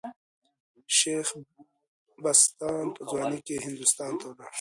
شېخ بستان په ځوانۍ کښي هندوستان ته ولاړ.